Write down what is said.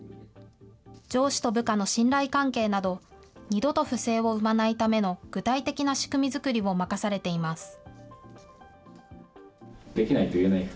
上司と部下の信頼関係など、二度と不正を生まないための具体的な仕組み作りを任されています。